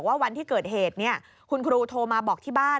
วันที่เกิดเหตุคุณครูโทรมาบอกที่บ้าน